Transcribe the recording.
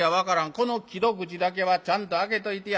この木戸口だけはちゃんと開けといてや』。